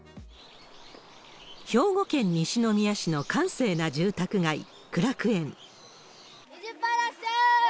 兵庫県西宮市の閑静な住宅街、苦楽園。